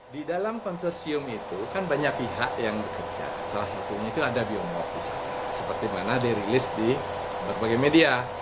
di dalam konsorsium itu kan banyak pihak yang bekerja salah satunya itu ada biomop di sana seperti mana dirilis di berbagai media